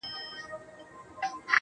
ماشومانو سره موسک شم له ناکامه